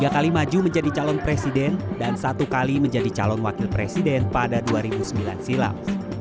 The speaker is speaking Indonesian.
tiga kali maju menjadi calon presiden dan satu kali menjadi calon wakil presiden pada dua ribu sembilan silam